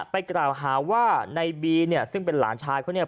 ไปกล่าวหาว่าในบีเนี่ยซึ่งเป็นหลานชายเขาเนี่ย